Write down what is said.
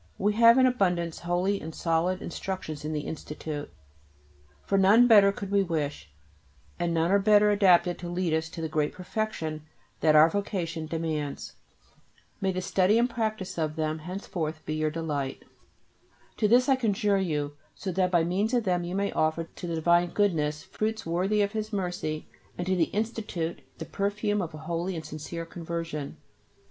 We have in abundance holy and solid instructions in the Institute. For none better could we wish, and none are better adapted to lead us to the great perfection that our vocation demands. May the study and the practice of them henceforth be your delight. To this I conjure you so that by means of them you may offer to the divine Goodness fruits worthy of His mercy and to the Institute the perfume of a holy and sincere conversion.